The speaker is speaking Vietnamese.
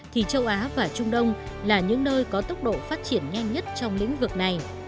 thì châu á và trung đông là những nơi có tốc độ phát triển nhanh nhất trong lĩnh vực này